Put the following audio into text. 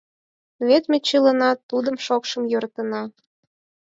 Вет ме чыланат тудым шокшын йӧратенна.